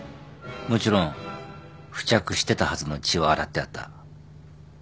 もちろん付着してたはずの血は洗ってあった。